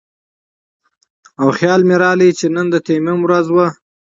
او خيال مې راغے چې نن د تيمم ورځ وه